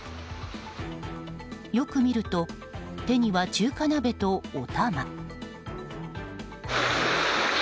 よく見ると手には中華鍋とおたま。